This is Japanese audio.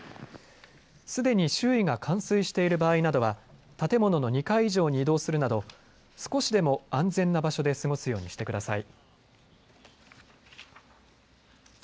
すでに周囲が冠水している場合などは建物の２階以上に移動するなど少しでも安全な場所で過ごすようにしてください。